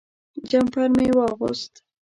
جمپر مې واغوست.